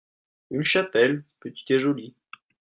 une chapelle, petite et jolie.